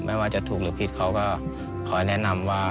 ไม่ว่าจะถูกหรือผิดเขาก็ขอให้แนะนำว่า